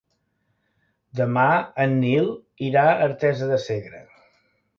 Demà en Nil irà a Artesa de Segre.